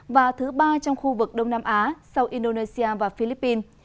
và thứ ba trong khu vực đông nam á sau indonesia và philippines